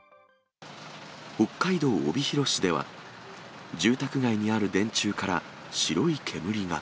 北海道帯広市では、住宅街にある電柱から白い煙が。